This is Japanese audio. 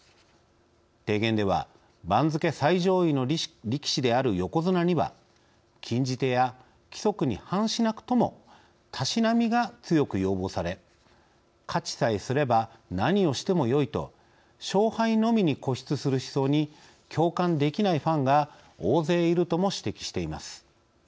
提言では番付最上位の力士である横綱には禁じ手や規則に反しなくとも「たしなみ」が強く要望され勝ちさえすれば何をしてもよいと勝敗のみに固執する思想に共感できないファンが大勢いるとも指摘しています。